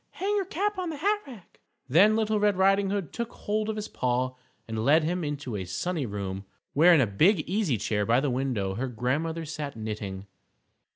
Hang your cap on the hat rack." Then Little Red Riding Hood took hold of his paw, and led him into a sunny room, where in a big easy chair by the window her Grandmother sat knitting.